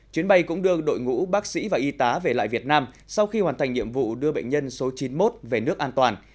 chuyến bay cũng đưa đội ngũ bác sĩ và y tá về lại việt nam sau khi hoàn thành nhiệm vụ đưa bệnh nhân số chín mươi một về nước an toàn